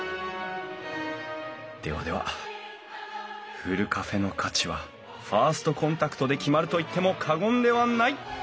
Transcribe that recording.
ではではふるカフェの価値はファーストコンタクトで決まると言っても過言ではない！